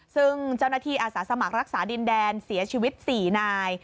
ซึ่งเจ้าหน้าที่อาสาสมัครรักษาดินแดนเสียชีวิต๔นาย